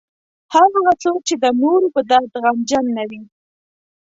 هر هغه څوک چې د نورو په درد غمجن نه وي.